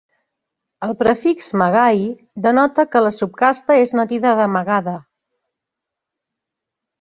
El prefix "magahi" denota que la subcasta és nativa de Magadha.